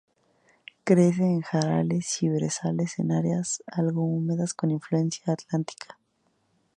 Crece en jarales y brezales en áreas algo húmedas con influencia atlántica.